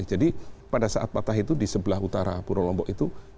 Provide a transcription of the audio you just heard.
jadi pada saat patah itu di sebelah utara pura lombok itu